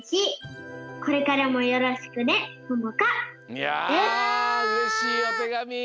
いやうれしいおてがみ！